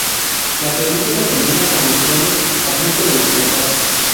La película termina con los clones a punto de despertar.